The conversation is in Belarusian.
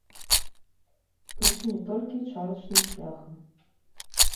Прычым не толькі чарачным шляхам.